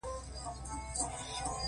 د عاطفې او مهربانۍ په اړه ډېرې کیسې شته.